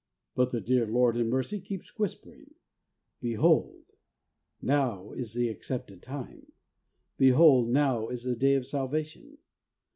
But the dear Lord in mercy keeps whispering, ' Behold, now is the accepted time. Behold, now is the day of Salvation.